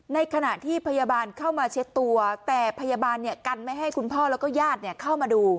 ในขณะที่พยาบาลเข้ามาเช็ดตัวแต่พยาบาลกันไม่ให้คุณพ่อแล้วก็ญาติเข้ามาดู